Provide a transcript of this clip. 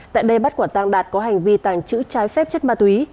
tại đây bắt quả tang đạt có hành vi tàng trữ trái phép chất ma túy